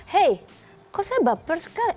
hei kok saya baper sekali